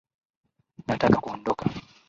Nataka kuondoka